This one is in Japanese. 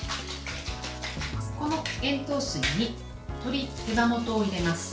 この塩糖水に鶏手羽元を入れます。